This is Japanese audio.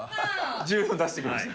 １４出してきました。